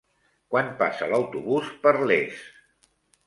Quan passa l'autobús per Les?